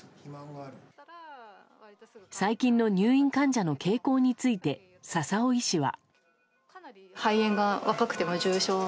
最近の入院患者の傾向について笹尾医師は。